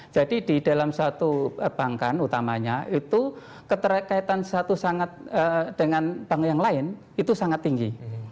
jadi di dalam satu perbankan utamanya itu keterkaitan satu dengan bank yang lain itu sangat tinggi